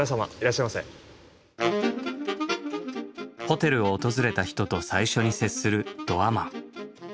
ホテルを訪れた人と最初に接するドアマン。